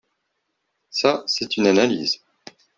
Ça, c’est une analyse